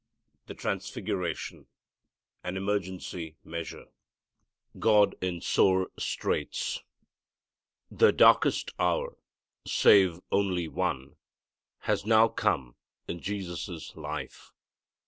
The Transfiguration: An Emergency Measure God in Sore Straits. The darkest hour save only one has now come in Jesus' life.